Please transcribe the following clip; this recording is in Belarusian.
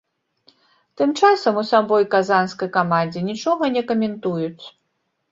Тым часам у самой казанскай камандзе нічога не каментуюць.